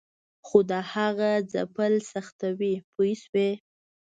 خو د هغه ځپل سختوي پوه شوې!.